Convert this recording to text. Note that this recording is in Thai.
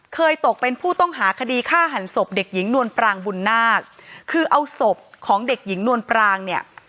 ตกเป็นผู้ต้องหาคดีฆ่าหันศพเด็กหญิงนวลปรางบุญนาคคือเอาศพของเด็กหญิงนวลปรางเนี่ย